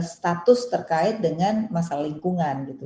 status terkait dengan masalah lingkungan gitu